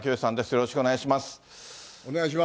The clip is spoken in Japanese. よろしくお願いします。